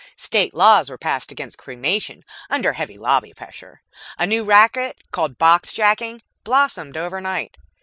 State laws were passed against cremation, under heavy lobby pressure. A new racket, called boxjacking, blossomed overnight.